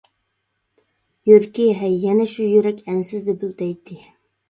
يۈرىكى، ھەي. يەنە شۇ يۈرەك ئەنسىز دۈپۈلدەيتتى.